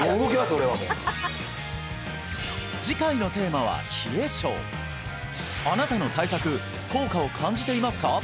俺はもう次回のテーマは冷え症あなたの対策効果を感じていますか？